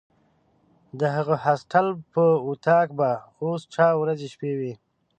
د هغه هاسټل په وطاق به اوس چا ورځې شپې وي.